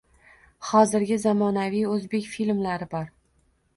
Hozirgi, zamonaviy oʻzbek filmlari bor.